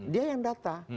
dia yang data